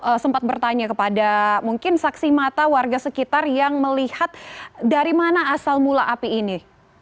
saya sempat bertanya kepada mungkin saksi mata warga sekitar yang melihat dari mana asal mula api ini